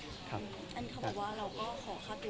อันนี้เขาบอกว่าเราก็ขอค่าตัวเขาด้วยอะไรด้วย